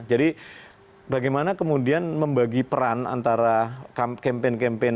jadi bagaimana kemudian membagi peran antara kampanye kampanye terkait program